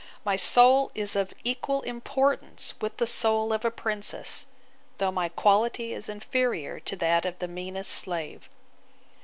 my soul is of equal importance with the soul of a princess; though my quality is inferior to that of the meanest slave.